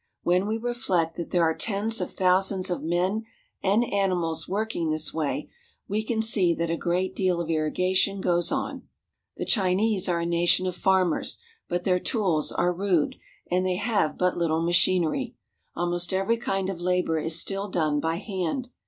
When we reflect that there are tens of thousands of men and animals working this way, we can see that a great deal of irrigation goes on. The Chinese are a nation of farmers, but their tools are CARP. ASIA — 10 Stepping always upward.' 158 CHINESE FARMS AND FARMING rude, and they have but little machinery. Almost every kind of labor is still done by hand.